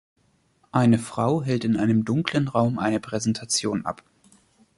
Eine Frau hält in einem dunklen Raum eine Präsentation ab.